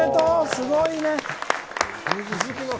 すごいね。